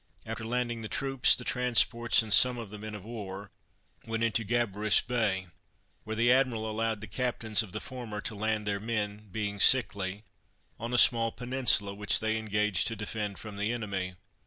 After landing the troops, the transports, and some of the men of war, went into Gabarus Bay, where the admiral allowed the captains of the former to land their men, being sickly, on a small peninsula, which they engaged to defend from the enemy.